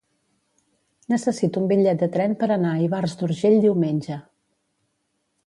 Necessito un bitllet de tren per anar a Ivars d'Urgell diumenge.